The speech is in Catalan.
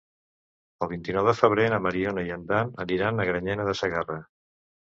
El vint-i-nou de febrer na Mariona i en Dan aniran a Granyena de Segarra.